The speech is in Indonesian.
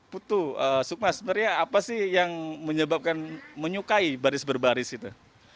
putu sukma sebenarnya apa sih yang menyebabkan menyukai baris berbaris itu